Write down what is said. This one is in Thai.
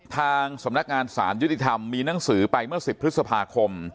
ทางสำนักงานสารยุติธรรมมีหนังสือไปเมื่อ๑๐พฤษภาคม